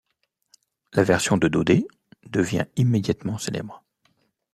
La version de Daudet devient immédiatement célèbre.